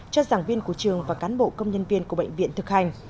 cho giảng viên của trường và cán bộ công nhân viên của bệnh viện thực hành